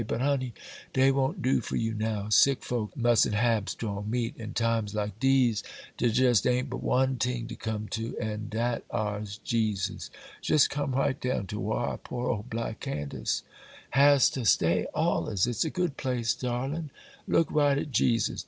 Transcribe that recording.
But, honey, dey won't do for you now; sick folks mus'n't hab strong meat; an' times like dese, dar jest a'n't but one ting to come to, an' dat ar's Jesus. Jes' come right down to whar poor ole black Candace has to stay allers,—it's a good place, darlin'! _Look right at Jesus.